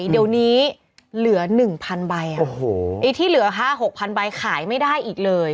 เดี๋ยวนี้เหลือหนึ่งพันใบอ่ะโอ้โหที่เหลือห้าหกพันใบขายไม่ได้อีกเลย